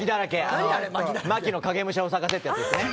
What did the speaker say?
牧の影武者を探せってやつですね。